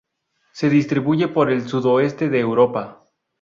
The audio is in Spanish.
Se distribuye por el sudoeste de Europa.